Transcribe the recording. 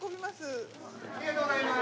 ありがとうございます！